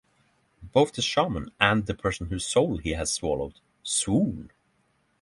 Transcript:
Both the shaman and the person whose soul he has swallowed swoon.